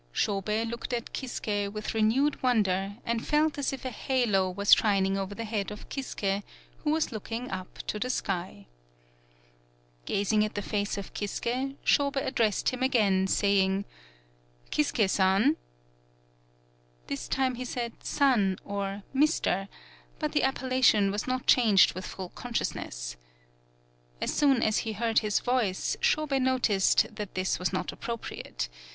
Shobei looked at Kisuke with re newed wonder and felt as if a halo was shining over the head of Kisuke, who was looking up to the sky. Gazing at the face of Kisuke, Shobei addressed him again, saying: "Kisuke san." This time he said "san" or Mr., but the. appellation was not changed with full consciousness. As soon as he heard his voice, Shobei noticed that this was not appropriate.